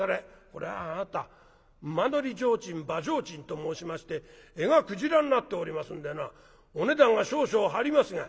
「これあなた馬乗提灯馬上提灯と申しまして柄がクジラになっておりますんでなお値段が少々張りますが」。